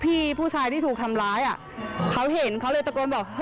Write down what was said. พี่ผู้ชายที่ถูกทำร้ายอ่ะเขาเห็นเขาเลยตะโกนบอก